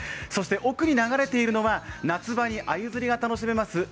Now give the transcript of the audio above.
そして、奥に流れているのは夏場にあゆ釣りが楽しめます